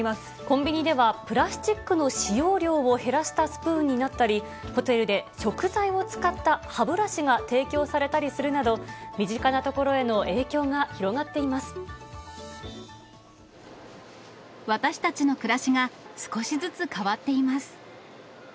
コンビニでは、プラスチックの使用量を減らしたスプーンになったり、ホテルで食材を使った歯ブラシが提供されたりするなど、身近なと私たちの暮らしが少しずつ変わっています。